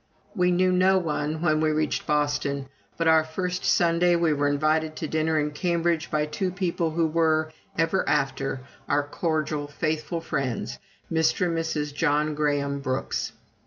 We knew no one when we reached Boston, but our first Sunday we were invited to dinner in Cambridge by two people who were, ever after, our cordial, faithful friends Mr. and Mrs. John Graham Brooks.